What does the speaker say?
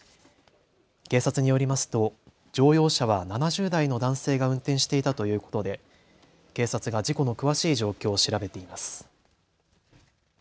警察によりますと乗用車は７０代の男性が運転していたということで警察が事故の詳しい状況を調べています。